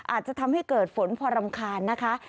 อาจจะทำให้เกิดฝนพอรำคาญนะคะ